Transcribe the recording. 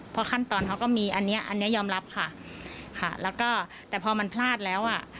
เพราะขั้นตอนเขาก็มีอันเนี้ยอันเนี้ยยอมรับค่ะค่ะแล้วก็แต่พอมันพลาดแล้วอ่ะ